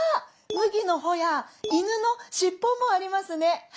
麦の穂や犬の尻尾もありますね。